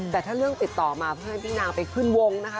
แต่ถ้าเรื่องติดต่อมาเพื่อให้พี่นางไปขึ้นวงนะคะ